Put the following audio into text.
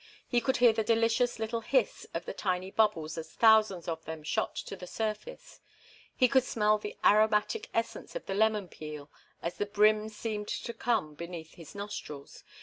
He could hear the delicious little hiss of the tiny bubbles as thousands of them shot to the surface. He could smell the aromatic essence of the lemon peel as the brim seemed to come beneath his nostrils.